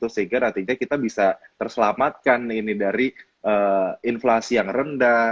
sehingga nantinya kita bisa terselamatkan ini dari inflasi yang rendah